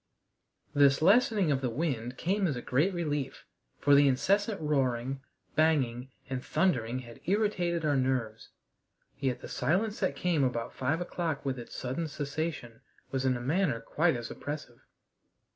This lessening of the wind came as a great relief, for the incessant roaring, banging, and thundering had irritated our nerves. Yet the silence that came about five o'clock with its sudden cessation was in a manner quite as oppressive.